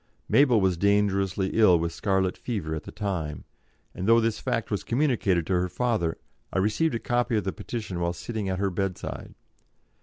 Mabel was dangerously ill with scarlet fever at the time, and though this fact was communicated to her father I received a copy of the petition while sitting at her bedside.